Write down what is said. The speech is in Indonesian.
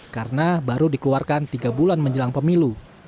karena baru dikeluarkan tiga bulan menjelang pemilu